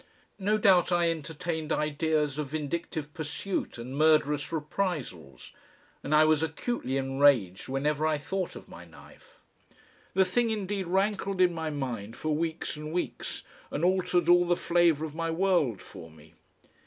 No doubt I entertained ideas of vindictive pursuit and murderous reprisals. And I was acutely enraged whenever I thought of my knife. The thing indeed rankled in my mind for weeks and weeks, and altered all the flavour of my world for me.